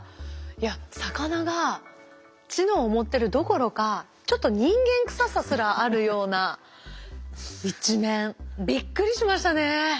いや魚が知能を持ってるどころかちょっと人間臭さすらあるような一面びっくりしましたね。